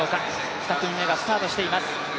２組目がスタートしています。